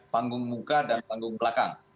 panggung muka dan panggung belakang